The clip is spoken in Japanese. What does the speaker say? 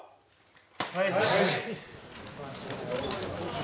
はい！